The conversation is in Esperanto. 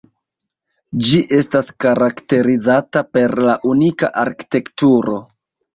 Ĝi estas karakterizata per la unika arkitekturo.